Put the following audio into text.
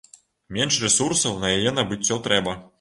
Менш рэсурсаў на яе набыццё трэба.